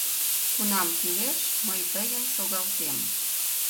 Кунам кӱлеш, мый тыйым шогалтем...